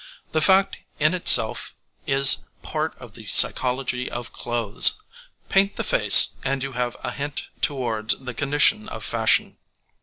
The fact in itself is part of the psychology of clothes. Paint the face, and you have a hint towards the condition of fashion.